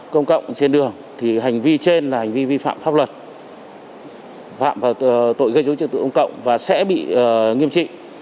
công cộng trên đường thì hành vi trên là hành vi vi phạm pháp luật tội gây dối trật tự công cộng và sẽ bị nghiêm trị